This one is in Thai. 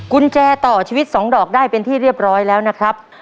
กุญแจต่อชีวิต๒ดอกได้เป็นที่เรียบร้อยแล้วนะครับ